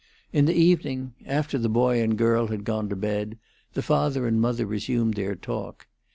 In the evening, after the boy and girl had gone to bed, the father and mother resumed their talk.